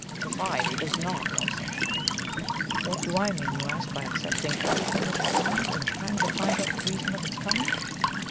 Society does not love such men. What do I mean, you ask, by accepting everything as it comes, and trying to find out the reason of its coming?